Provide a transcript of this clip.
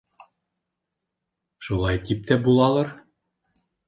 Шулай тип тә булалыр.